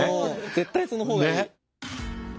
絶対その方がいい。